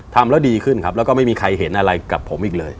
ทำแล้วดีขึ้นครับแล้วก็ไม่มีใครเห็นอะไรกับผมอีกเลย